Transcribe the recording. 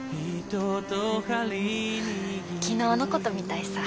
昨日のことみたいさ。